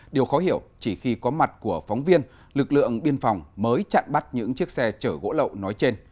điều khó hiểu chỉ khi có mặt của phóng viên lực lượng biên phòng mới chặn bắt những chiếc xe chở gỗ lậu nói trên